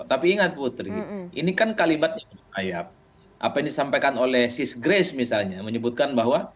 tapi ingat putri ini kan kalimatnya berbahaya apa yang disampaikan oleh sis grace misalnya menyebutkan bahwa